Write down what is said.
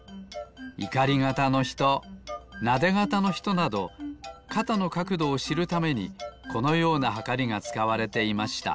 いかり肩のひとなで肩のひとなど肩のかくどをしるためにこのようなはかりがつかわれていました。